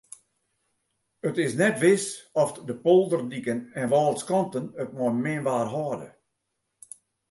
It is net wis oft de polderdiken en wâlskanten it mei min waar hâlde.